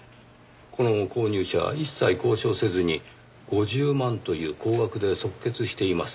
この購入者一切交渉せずに５０万という高額で即決しています。